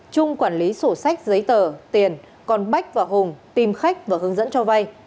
trung quản lý sổ sách giấy tờ tiền còn bách và hùng tìm khách và hướng dẫn cho vay